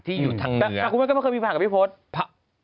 ที่อยู่ทางเหนือเพราะคุณพ่อไม่เคยมีปัญหากับพี่พลต